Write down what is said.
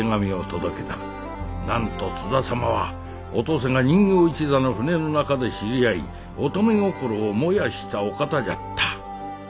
なんと津田様はお登勢が人形一座の船の中で知り合い乙女心を燃やしたお方じゃった。